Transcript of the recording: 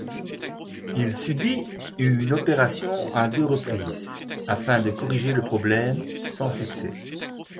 Il subit une opération à deux reprises afin de corriger le problème sans succès.